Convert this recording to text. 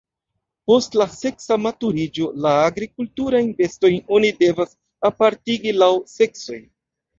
Post la seksa maturiĝo la agrikulturajn bestojn oni devas apartigi laŭ seksoj.